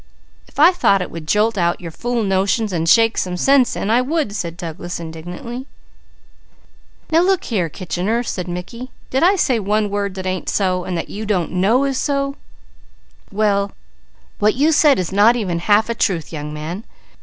"If I thought it would jolt out your fool notions and shake some sense in, I would," said Douglas indignantly. "Now look here, Kitchener," said Mickey. "Did I say one word that ain't so, and that you don't know is so?" "What you said is not even half a truth, young man!